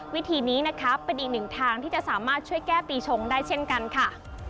วิธีนี้นะคะเป็นอีกหนึ่งทางที่จะสามารถช่วยแก้ปีชงได้เช่นกันค่ะ